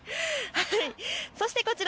そしてこちら。